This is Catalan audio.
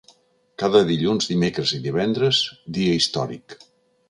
Cada dilluns, dimecres i divendres, dia històric.